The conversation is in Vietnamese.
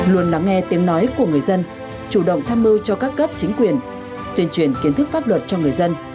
luôn lắng nghe tiếng nói của người dân chủ động tham mưu cho các cấp chính quyền tuyên truyền kiến thức pháp luật cho người dân